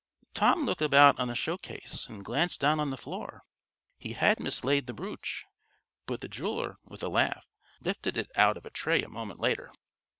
Tom looked about on the showcase, and glanced down on the floor. He had mislaid the brooch, but the jeweler, with a laugh, lifted it out of a tray a moment later.